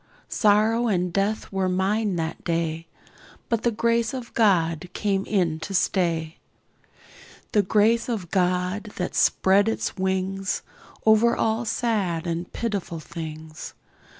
Sorrow and death were mine that day, But the Grace of God came in to stay; The Grace of God that spread its wings Over all sad and pitiful things.